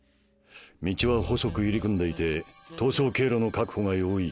道は細く入り組んでいて逃走経路の確保が容易。